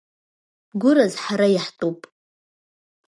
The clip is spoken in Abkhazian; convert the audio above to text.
Гәыраз ҳара иаҳтәуп…